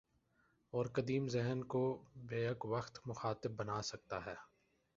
اور قدیم ذہن کو بیک وقت مخاطب بنا سکتا ہے۔